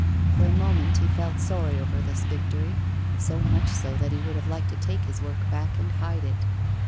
For a moment he felt sorry over this victory, so much so that he would have liked to take his work back and hide it.